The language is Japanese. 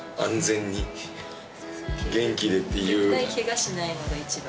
絶対ケガしないのが一番。